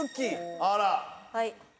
はい。